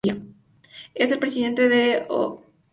Es el presidente de ambas fundaciones.